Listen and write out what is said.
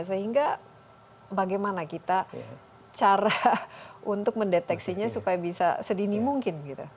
sehingga bagaimana kita cara untuk mendeteksinya supaya bisa sedini mungkin gitu